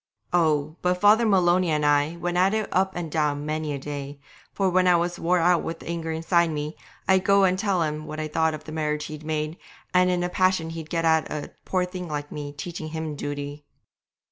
Oh! but Father Maloney and I went at it up and down many a day, for when I was wore out with the anger inside me, I'd go and tell him what I thought of the marriage he'd made, and in a passion he'd get at a poor thing like me teaching him duty.